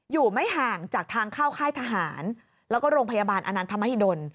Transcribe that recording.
อยู่ไม่ห่างจากทางเข้าค่ายทหารแล้วก็โรงพยาบาลอนันทมหิดล